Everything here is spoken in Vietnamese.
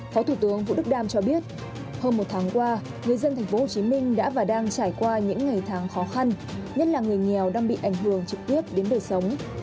phó thủ tướng vũ đức đam cho biết hơn một tháng qua người dân tp hcm đã và đang trải qua những ngày tháng khó khăn nhất là người nghèo đang bị ảnh hưởng trực tiếp đến đời sống